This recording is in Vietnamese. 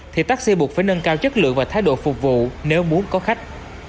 thì taxi buộc phải nâng cao chất lượng và thái độ phục vụ nếu muốn có khách